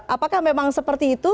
apakah memang seperti itu